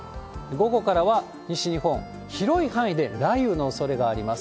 午後からは西日本、広い範囲で雷雨のおそれがあります。